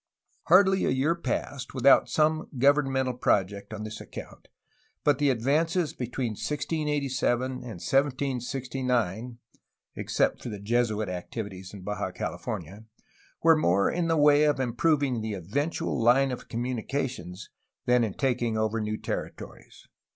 Hardly a year passed without some governmental project on this ac count, but the advances between 1687 and 1769 (except for Jesuit activities in Baja California) were more in the way of improving the eventual line of communications than in taking over new territories.